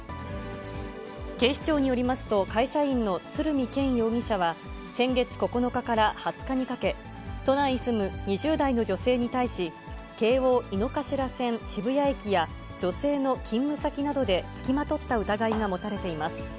警視庁によりますと、会社員の鶴見憲容疑者は、先月９日から２０日にかけ、都内に住む２０代の女性に対し、京王・井の頭線渋谷駅や女性の勤務先などで付きまとった疑いが持たれています。